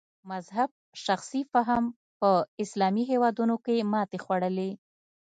مذهب شخصي فهم په اسلامي هېوادونو کې ماتې خوړلې.